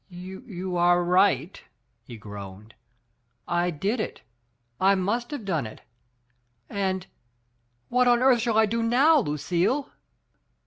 You are right," he groaned^ "I did it — I must have done it. And — what on earth shall I do noWy Lucille?"